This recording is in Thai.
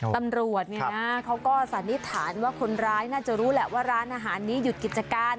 ตำรวจเนี่ยนะเขาก็สันนิษฐานว่าคนร้ายน่าจะรู้แหละว่าร้านอาหารนี้หยุดกิจการ